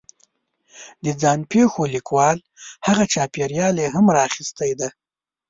د ځان پېښو لیکوال هغه چاپېریال یې هم را اخستی دی